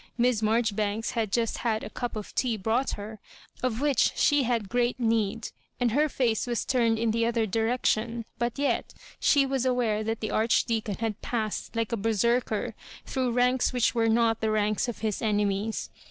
Miss Marjori banks had just had a cup of tea brought her, of which she had great need, and her face was turned in the other direction : but yet she was aware that the Archdeacon had passed like a Berserker through those ranks which were not the ranks of his enemies.